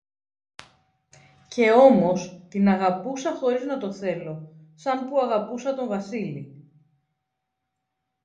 Και όμως την αγαπούσα χωρίς να το θέλω, σαν που αγαπούσα τον Βασίλη